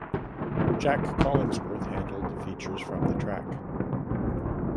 Jac Collinsworth handled the features from the track.